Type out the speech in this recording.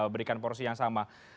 berikan porsi yang sama